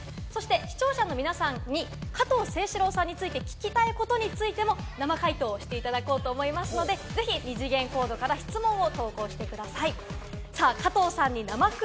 そして視聴者の皆さんに加藤清史郎さんについて聞きたいことについても生回答していただこうと思いますので、ぜひニ次元コードから質問を投稿してください。